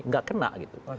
nggak kena gitu